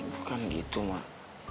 bukan gitu mak